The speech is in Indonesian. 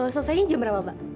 selesainya jam berapa mbak